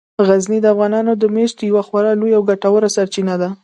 غزني د افغانانو د معیشت یوه خورا لویه او ګټوره سرچینه ده.